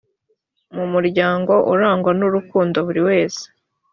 mu muryango urangwa n urukundo buri wese